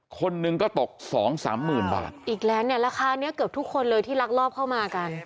คนหนึ่งก็ตกสองสามหมื่นบาทอีกแล้วเนี่ยราคาเนี้ยเกือบทุกคนเลยที่ลักลอบเข้ามากัน